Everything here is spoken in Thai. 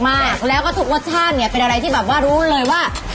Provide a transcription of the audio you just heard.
มากแล้วก็ทุกรสชาติเนี่ยเป็นอะไรที่แบบว่ารู้เลยว่า